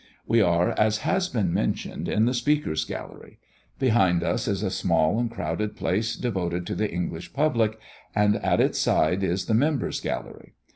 We are, as has been mentioned, in the Speaker's gallery. Behind us is a small and crowded place devoted to the English public, and at its side is the members' gallery.